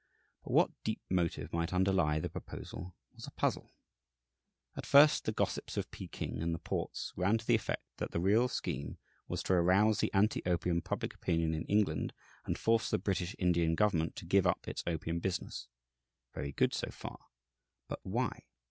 But what deep motive might underlie the proposal was a puzzle. At first the gossips of Peking and the ports ran to the effect that the real scheme was to arouse the anti opium public opinion in England, and force the British Indian government to give up its opium business. Very good, so far. But why?